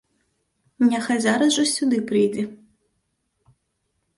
Няхай зараз жа сюды прыйдзе!